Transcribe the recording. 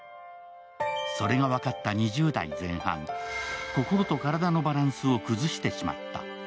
それが分かった２０代前半、心と体のバランスを崩してしまった。